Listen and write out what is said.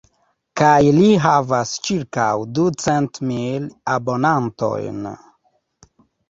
Kaj li havas ĉirkaŭ ducent mil abonantojn.